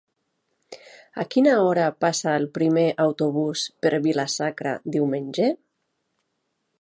A quina hora passa el primer autobús per Vila-sacra diumenge?